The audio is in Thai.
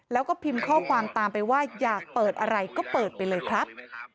แล้วก็พิมพ์ข้อความตามไปว่าอยากเปิดอะไรก็เปิดไปเลยครับ